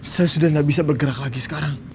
saya sudah tidak bisa bergerak lagi sekarang